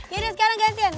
yaudah sekarang gantian